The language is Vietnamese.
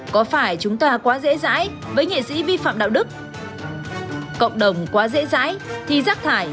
có phải chúng ta quá dễ dãi với nghệ sĩ vi phạm đạo đức cộng đồng quá dễ dãi thì rác thải